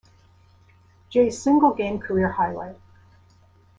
Jay's single-game career highlight.